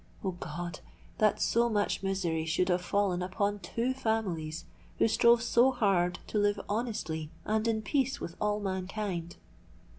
O God! that so much misery should have fallen upon two families who strove so hard to live honestly and in peace with all mankind!